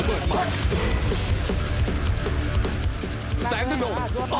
สานทะนงต้องมีไฟล์ตแตกหักเดี๋ยวเราติดตามนะครับว่าจะลงคิววันไหนครับ